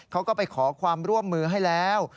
เขาก็ไปขอความร่วมมือให้แล้ว